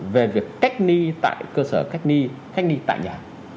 về việc cách ni tại cơ sở cách ni cách ni tại nhà